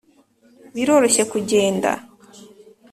biroroshye kugenda,